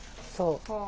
そう。